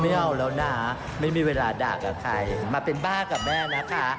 ไม่เอาแล้วนะไม่มีเวลาด่ากับใครมาเป็นบ้ากับแม่นะคะ